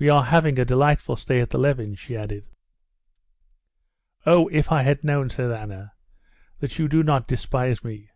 "We are having a delightful stay at the Levins'," she added. "Oh, if I had known," said Anna, "that you do not despise me!...